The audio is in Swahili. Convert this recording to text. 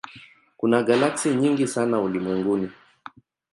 Kuna galaksi nyingi sana ulimwenguni.